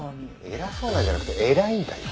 偉そうなんじゃなくて偉いんだよ。